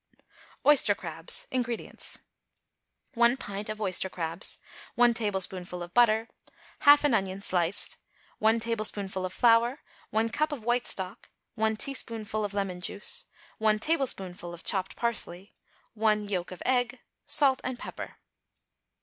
=Oyster Crabs.= INGREDIENTS. 1 pint of oyster crabs. 1 tablespoonful of butter. 1/2 an onion, sliced. 1 tablespoonful of flour. 1 cup of white stock. 1 teaspoonful of lemon juice. 1 tablespoonful of chopped parsley. 1 yolk of egg. Salt and pepper.